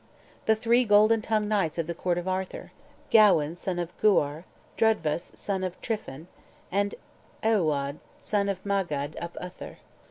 "The three golden tongued knights of the court of Arthur: Gawain, son of Gwyar, Drydvas, son of Tryphin, And Ehwlod, son of Madag, ap Uther."